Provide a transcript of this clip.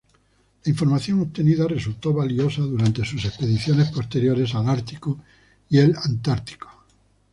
La información obtenida resultó valiosa durante sus expediciones posteriores al Ártico y el Antártico.